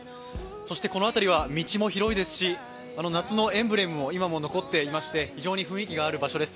そしてこの辺りは道も広いですし、夏のエンブレムも今も残っていまして、非常に雰囲気があるところです。